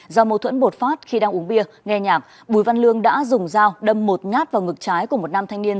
do mâu thuẫn bột phát khi đang uống bia nghe nhạc bùi văn lương đã dùng dao đâm một nhát vào ngực trái của một nam thanh niên